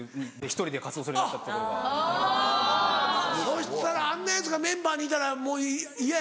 そしたらあんなヤツがメンバーにいたらもう嫌やろ？